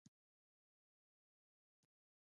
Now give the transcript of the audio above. آیا پارکونه د کورنیو لپاره امن دي؟